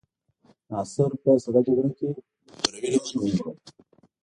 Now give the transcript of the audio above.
ناصر په سړه جګړه کې د شوروي لمن ونیوله.